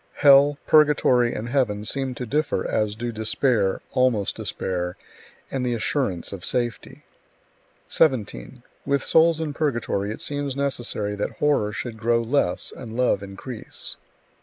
Hell, purgatory, and heaven seem to differ as do despair, almost despair, and the assurance of safety. 17. With souls in purgatory it seems necessary that horror should grow less and love increase.